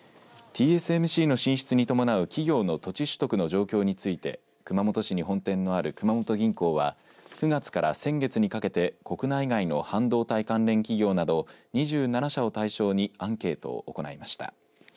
ＴＳＭＣの進出に伴う企業の土地取得の状況について熊本市に本店がある熊本銀行は９月から先月にかけて国内外の半導体関連企業など２７社を対象にアンケートを行いました。